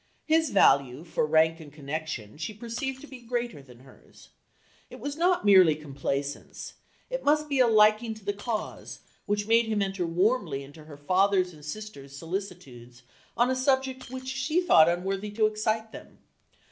His value for rank and connection she perceived to be greater than hers. It was not merely complaisance, it must be a liking to the cause, which made him enter warmly into her father's and sister's solicitudes on a subject which she thought unworthy to excite them....